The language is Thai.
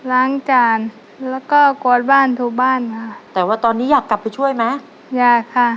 ล้างจานแล้วก็กวาดบ้านทุกบ้านค่ะแต่ว่าตอนนี้อยากกลับไปช่วยไหมอยากค่ะ